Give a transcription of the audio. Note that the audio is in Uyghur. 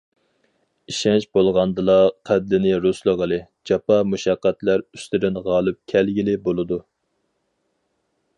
ئىشەنچ بولغاندىلا قەددىنى رۇسلىغىلى، جاپا- مۇشەققەتلەر ئۈستىدىن غالىب كەلگىلى بولىدۇ.